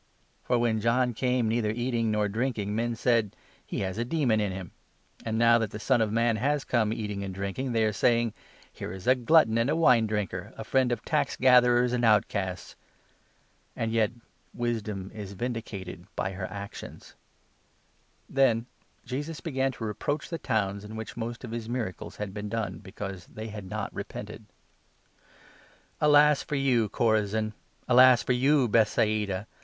' For, when John came, neither eating nor drinking, men said 18 ' He has a demon in him '; and now that the Son of Man has 19 come, eating and drinking, they are saying ' Here is a glutton and a wine drinker, a friend of tax gatherers and outcasts !' And yet Wisdom is vindicated by her actions." The Doom of Then Jesus began to reproach the towns in 20 the Towns of which most of his miracles had been done, be caiiiee. cause they had not repented : "Alas for you, Chorazin ! Alas for you, Bethsaida